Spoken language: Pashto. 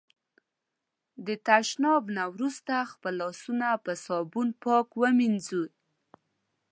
د تشناب نه وروسته خپل لاسونه په صابون پاک ومېنځی.